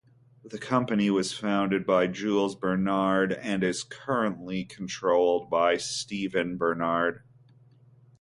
The company was founded by Jules Bernard and is currently controlled by Steven Bernard.